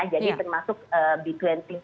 jadi termasuk g dua puluh